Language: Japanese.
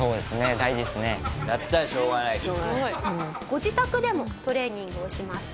ご自宅でもトレーニングをします。